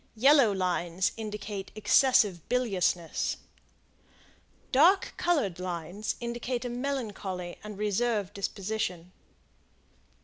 Yellow lines indicate excessive biliousness. Dark colored lines indicate a melancholy and reserved disposition.